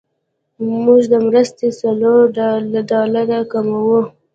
موږ د مرستې څلور ډالره کموو.